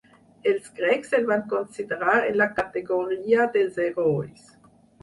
Els grecs el van considerar en la categoria dels herois.